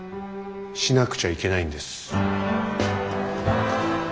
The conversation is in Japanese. しなくちゃいけないんです。